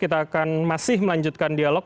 kita akan masih melanjutkan dialog